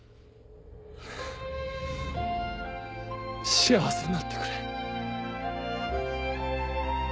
幸せになってくれ。